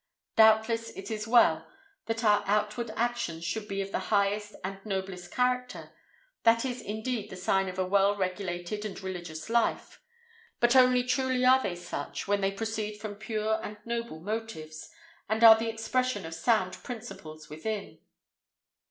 Doubtless it is well that our outward actions should be of the highest and noblest character; this is indeed the sign of a well regulated and religious life; but only truly are they such when they proceed from pure and noble motives, and are the expression of sound principles within.